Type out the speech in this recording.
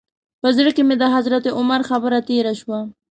په زړه کې مې د حضرت عمر خبره تېره شوه.